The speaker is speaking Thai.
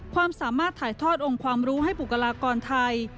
ความสามารถถ่ายทอดองค์ความรู้ให้บุคลากรไทย